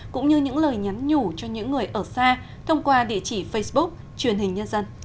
cũng như những lời nhắn nhủ cho những người ở xa thông qua địa chỉ facebook truyền hình nhân dân